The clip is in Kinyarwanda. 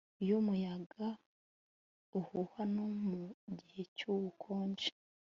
Iyo umuyaga uhuha no mu gihe cyubukonje